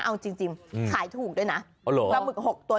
ขายถูกด้วยนะแล้วหมึก๖ตัว๑๐๐อ่ะ